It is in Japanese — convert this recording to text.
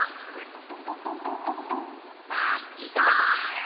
パッカーン！